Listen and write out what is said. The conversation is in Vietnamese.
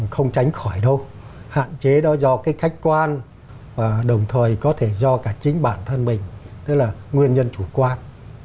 không tránh khỏi đâu hạn chế đó do cái khách quan và đồng thời có thể do cả chính bản thân mình tức là nguyên nhân chủ quan